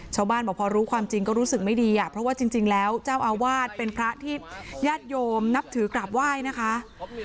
ชาวบ้านบอกพอรู้ความจริงก็รู้สึกไม่ดีอ่ะเพราะว่าจริงแล้วเจ้าอาวาสเป็นพระที่ญาติโยมนับถือกราบไหว้นะคะ